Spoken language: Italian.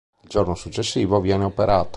Il giorno successivo viene operato.